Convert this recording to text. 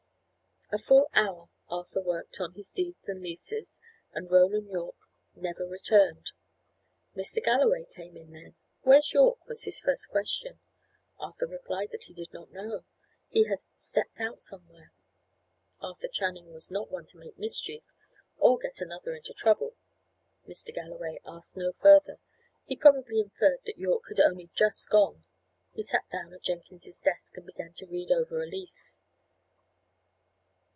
A full hour Arthur worked on at his deeds and leases, and Roland Yorke never returned. Mr. Galloway came in then. "Where's Yorke?" was his first question. Arthur replied that he did not know; he had "stepped out" somewhere. Arthur Channing was not one to make mischief, or get another into trouble. Mr. Galloway asked no further; he probably inferred that Yorke had only just gone. He sat down at Jenkins's desk, and began to read over a lease.